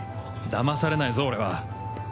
騙されないぞ俺は。